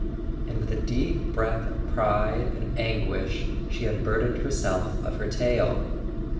And with a deep breath of pride and anguish she unburdened herself of her tale.